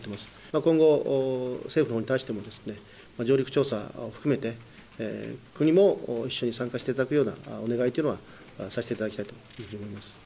今後、政府のほうに対してもですね、上陸調査を含めて、国も一緒に参加していただくようなお願いというのは、させていただきたいというふうに思います。